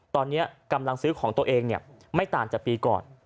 ตอนนี้กำลังซื้อของตัวเองไม่ต่างจากปีก่อน